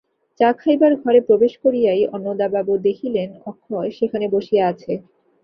চা খাইবার ঘরে প্রবেশ করিয়াই অন্নদাবাবু দেখিলেন, অক্ষয় সেখানে বসিয়া আছে।